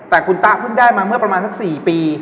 แต่คุณตาเพิ่งได้มาเมื่อประมาณสัก๔ปี